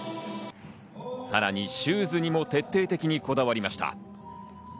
さらにシューズにも徹底的にこだわりました。